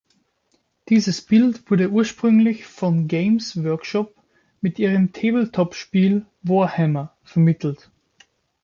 Dieses Bild wurde ursprünglich von Games Workshop mit ihrem Tabletop-Spiel Warhammer vermittelt.